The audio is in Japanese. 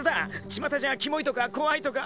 ちまたじゃキモいとか怖いとか。